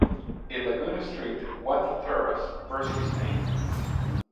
A Laguna street, Wendt Terrace, bears his name.